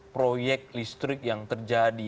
proyek listrik yang terjadi